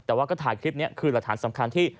แต่ว่าก็ถ่ายคลิปนี้คือหลักฐานสำคัญที่